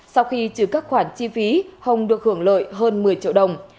sau khi trừ các khoản chi phí hồng được hưởng lợi hơn một mươi triệu đồng